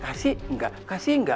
kasih nggak kasih nggak